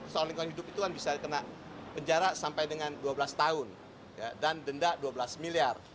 soal lingkungan hidup itu kan bisa dikena penjara sampai dengan dua belas tahun dan denda dua belas miliar